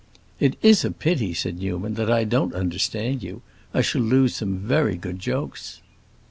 "It is a pity," said Newman, "that I don't understand you. I shall lose some very good jokes."